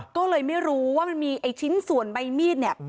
ก็เลยไม่รู้ว่ามันมีไอ้ชิ้นส่วนใบมีดเนี่ย